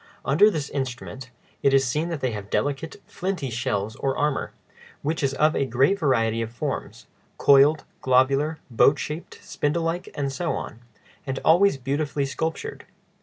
Under this instrument it is seen that they have delicate, flinty shells or armor, which is of a great variety of forms,—coiled, globular, boat shaped, spindle like, and so on,—and always beautifully sculptured.